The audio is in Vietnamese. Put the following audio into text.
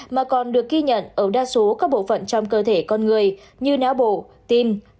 mà còn được ghi nhận ở đa số các bộ phận trong cơ thể con người như não bộ tim